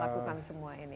lakukan semua ini